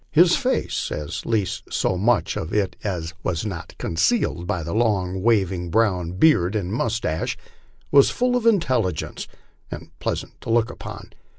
His face, at least so much of it as was not concealed by the long, waving brown beard and moustache, was fall of intelligence and pleasant to look upon.